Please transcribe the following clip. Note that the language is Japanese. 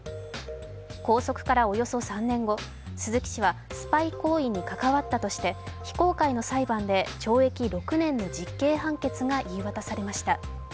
拘束からおよそ３年後、鈴木氏はスパイ行為に関わったとして非公開の裁判で懲役６年の実刑判決が言い渡されました。